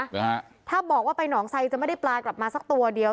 หรือฮะถ้าบอกว่าไปหนองไซจะไม่ได้ปลากลับมาสักตัวเดียว